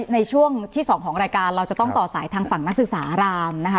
ในช่วงที่๒ของรายการเราจะต้องต่อสายทางฝั่งนักศึกษารามนะคะ